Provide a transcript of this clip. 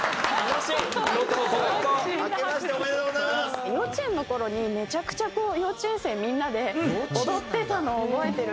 幼稚園の頃にめちゃくちゃこう幼稚園生みんなで踊ってたのを覚えてるんですけど。